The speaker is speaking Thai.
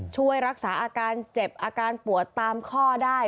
ช่วยรักษาอาการเจ็บอาการปวดตามข้อได้